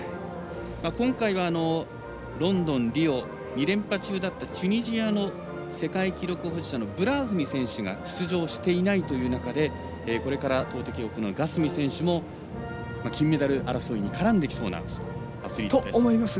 今回はロンドン、リオ２連覇中だったチュニジアの世界記録保持者のブラーフミが出場していないという中でこれから投てきを行うガスミ選手金メダル争いも絡んできそうな選手です。